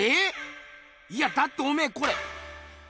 いやだっておめえこれああ？